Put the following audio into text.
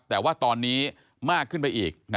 แต่ว่าตอนนี้มากขึ้นไปอีก